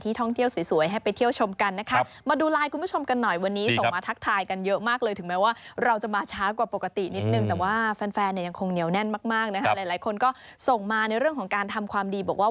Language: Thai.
คงเหนียวแน่นมากนะครับหลายคนก็ส่งมาในเรื่องของการทำความดีบอกว่า